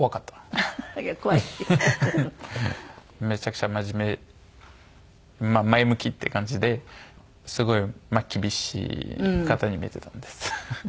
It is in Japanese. めちゃくちゃ真面目前向きっていう感じですごい厳しい方に見えてたんです。